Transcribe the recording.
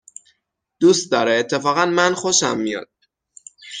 دوست داره، اتفاقاً من خوشم میاد